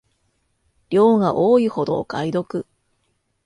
量が多いほどお買い得